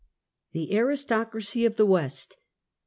THE AEISTOCRACY OF THE WEST.